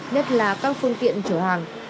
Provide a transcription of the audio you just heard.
nhất là các phương tiện chở hàng